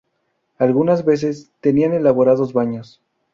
Algunas veces, tenían elaborados baños.